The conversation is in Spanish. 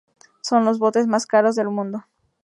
Son los botes más caros del mundo.